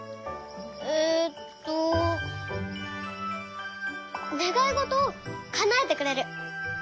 えっとねがいごとをかなえてくれる。